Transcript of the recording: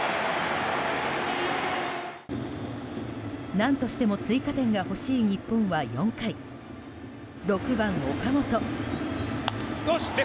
何としても追加点が欲しい日本は４回、６番、岡本。